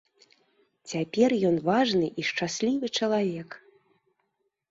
Цяпер ён важны і шчаслівы чалавек.